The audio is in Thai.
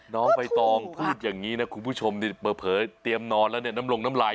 น้องใบตองพูดอย่างนี้นะคุณผู้ชมนี่เผลอเตรียมนอนแล้วเนี่ยน้ำลงน้ำลาย